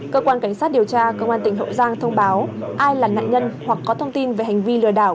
cơ quan cảnh sát điều tra công an tỉnh hậu giang thông báo ai là nạn nhân hoặc có thông tin về hành vi lừa đảo